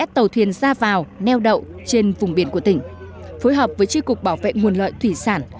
trên vùng biển của tỉnh phối hợp với tri cục bảo vệ nguồn loại thủy sản